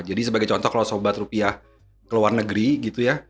jadi sebagai contoh kalau sobat rupiah keluar negeri gitu ya